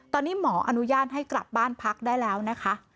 ตอนนี้หมออนุญาตให้กลับบ้านพักได้แล้วนะคะ